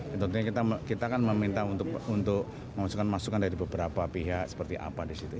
ya tentunya kita kan meminta untuk memasukkan masukan dari beberapa pihak seperti apa di situ